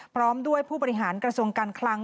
พร้อมด้วยผู้บริหารกระทรวงการคลัง